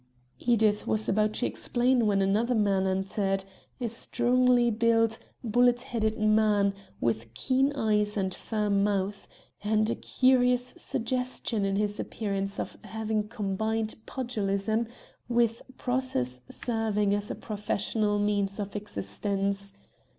Edith was about to explain, when another man entered a strongly built, bullet headed man, with keen eyes and firm mouth, and a curious suggestion in his appearance of having combined pugilism with process serving as a professional means of existence.